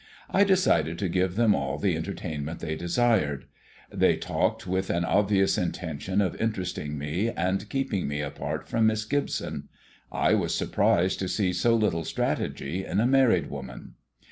I decided to give them all the entertainment they desired. They talked with an obvious intention of interesting me and keeping me apart from Miss Gibson. I was surprised to see so little strategy in a married woman.